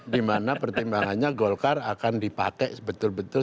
dimana pertimbangannya golkar akan dipakai betul betul